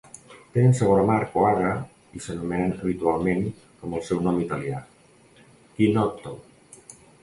Tenen sabor amarg o agre i s'anomenen habitualment amb el seu nom italià: "chinotto".